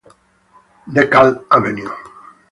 DeKalb Avenue